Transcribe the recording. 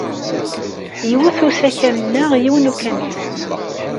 Iwet usakal-nneɣ yiwen n ukamyun.